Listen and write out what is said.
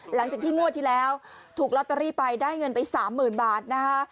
หลังจากที่งวดที่แล้วถูกลอตเตอรี่ไปได้เงินไป๓๐๐๐บาทนะคะ